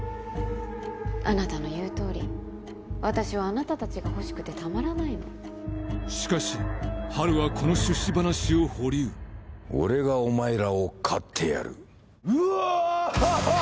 あなたの言うとおり私はあなた達が欲しくてたまらないのしかしハルはこの出資話を保留俺がお前らを買ってやるうわー！